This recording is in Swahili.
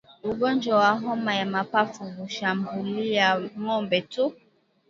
Ugonjwa wa homa ya mapafu hushambulia ngombe tu